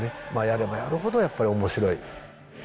やればやるほど、やっぱりおもしろい。